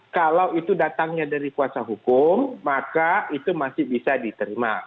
kalau itu datangnya dari kuasa hukum maka itu masih bisa diterima